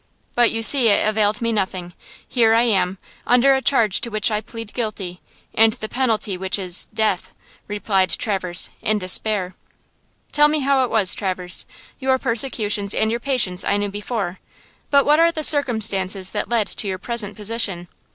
"But you see it availed me nothing. Here I am, under a charge to which I plead guilty, and the penalty of which is–death!" replied Traverse, in despair. "Tell me how it was, Traverse. Your persecutions and your patience I knew before, but what are the circumstances that led to your present position?